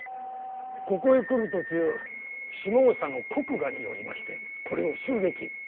ここへ来る途中下総の国衙に寄りましてこれを襲撃。